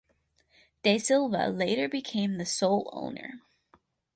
De Silva later became the sole owner.